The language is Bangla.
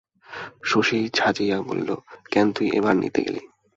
শশী ঝাঁঝিয়া বলিল, কেন তুই এ ভার নিতে গেলি?